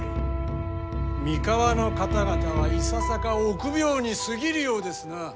三河の方々はいささか臆病に過ぎるようですなあ。